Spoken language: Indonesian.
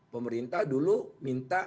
pemerintah dulu minta